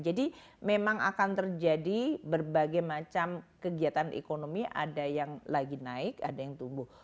jadi memang akan terjadi berbagai macam kegiatan ekonomi ada yang lagi naik ada yang tumbuh